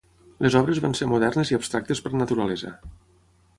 Les obres van ser modernes i abstractes per naturalesa.